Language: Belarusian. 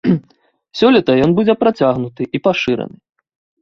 Сёлета ён будзе працягнуты і пашыраны.